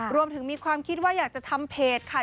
มีความคิดว่าอยากจะทำเพจค่ะ